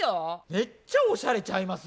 めっちゃおしゃれちゃいます？